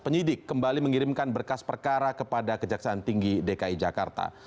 penyidik kembali mengirimkan berkas perkara kepada kejaksaan tinggi dki jakarta